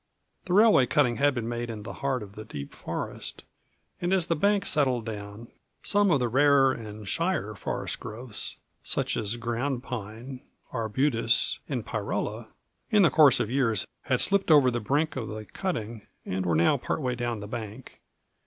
The railway cutting had been made in the heart of the deep forest, and as the bank settled down, some of the rarer and shyer forest growths, such as ground pine, arbutus, and pyrola, in the course of years had slipped over the brink of the cutting and were now part way down the bank.